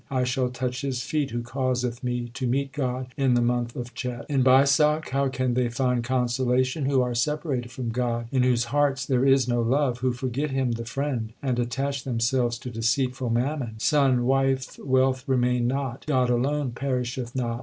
I shall touch his feet who causeth me to meet God in the month of diet. In Baisakh how can they find consolation who are separated from God, in whose hearts there is no love, Who forget Him the Friend, arid attach themselves to deceitful mammon ? Son, wife, wealth remain not ; God alone perisheth not.